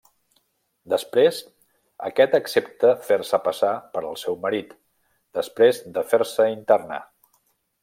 Després, aquest accepta fer-se passar per al seu marit, després de fer-se internar.